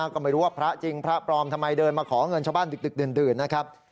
ก็ไม่รู้ว่าพระจริงพระปลอมทำไมเดินมาขอเงินชาวบ้านดึกดื่นนะครับ